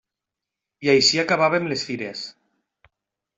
I així acabàvem les fires.